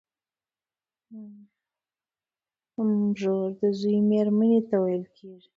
مږور د زوی مېرمني ته ويل کيږي.